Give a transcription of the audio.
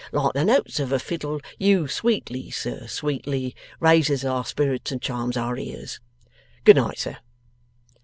Like the notes of a fiddle, you sweetly, sir, sweetly, Raises our spirits and charms our ears." Good night, sir.